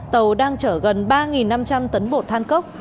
tàu đang chở gần ba năm trăm linh tấn bột than cốc